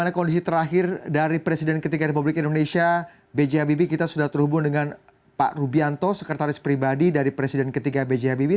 kondisi terakhir dari presiden ketiga republik indonesia bg habibie kita sudah terhubung dengan pak rubianto sekretaris pribadi dari presiden ketiga bg habibie